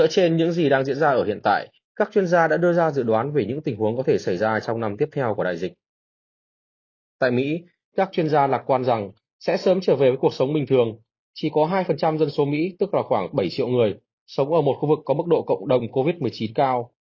chỉ có hai dân số mỹ tức là khoảng bảy triệu người sống ở một khu vực có mức độ cộng đồng covid một mươi chín cao